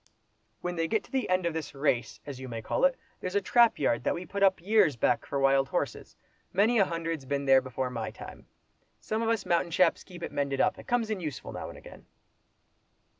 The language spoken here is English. "When they get to the end of this 'race,' as you may call it, there's a trap yard that we put up years back for wild horses—many a hundred's been there before my time. Some of us mountain chaps keep it mended up. It comes in useful now and again."